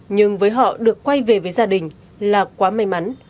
nhưng với họ được quay về với gia đình là quá may mắn